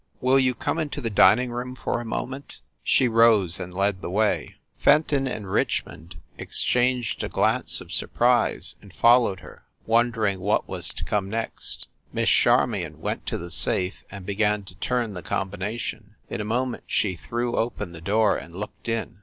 Will you come into the dining room for a moment ?" She rose and led the way. 322 FIND THE WOMAN Fenton and Richmond exchanged a glance of sur prise, and followed her, wondering what was to come next. Miss Charmion went to the safe and began to turn the combination. In a moment she threw open the door and looked in.